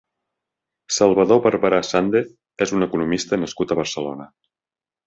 Salvador Barberà Sandez és un economista nascut a Barcelona.